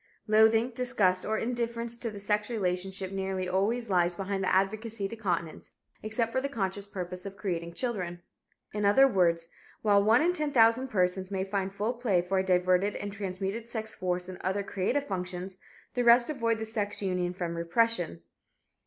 Loathing, disgust or indifference to the sex relationship nearly always lies behind the advocacy to continence except for the conscious purpose of creating children. In other words, while one in ten thousand persons may find full play for a diverted and transmuted sex force in other creative functions, the rest avoid the sex union from repression.